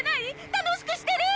楽しくしてる？